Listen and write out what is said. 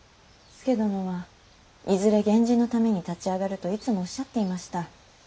佐殿はいずれ源氏のために立ち上がるといつもおっしゃっていました。